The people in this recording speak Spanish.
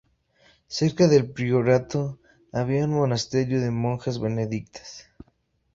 Cerca del priorato había un monasterio de monjas benedictinas.